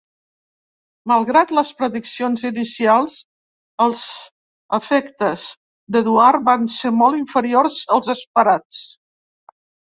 Malgrat les prediccions inicials, els efectes d'Eduard van ser molt inferiors als esperats.